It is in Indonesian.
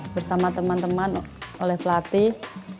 bersama teman teman oleh pelatih